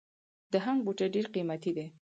د هنګ بوټی ډیر قیمتي دی